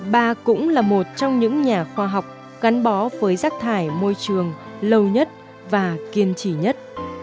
bà cũng là một trong những nhà khoa học gắn bó với rác thải môi trường lâu nhất và kiên trì nhất